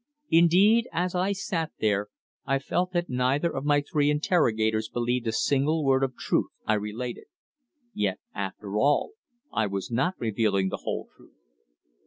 Indeed, as I sat there, I felt that neither of my three interrogators believed a single word of the truth I related. Yet, after all, I was not revealing the whole truth.